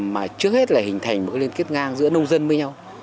mà trước hết là hình thành một liên kết ngang giữa nông dân với nhau